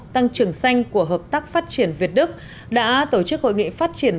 tăng trưởng xanh của hợp tác phát triển việt đức đã tổ chức hội nghị phát triển